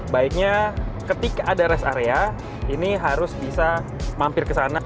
baiknya ketika ada rest area ini harus bisa mampir ke sana